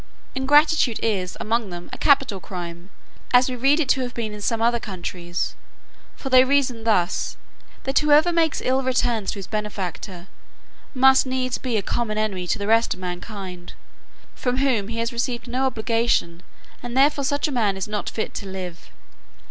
Ingratitude is among them a capital crime, as we read it to have been in some other countries: for they reason thus; that whoever makes ill returns to his benefactor, must needs be a common enemy to the rest of mankind, from whom he has received no obligation, and therefore such a man is not fit to live.